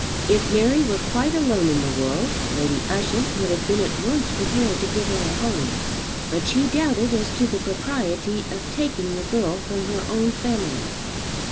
If Mary were quite alone in the world Lady Ushant would have been at once prepared to give her a home. But she doubted as to the propriety of taking the girl from her own family.